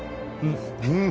うん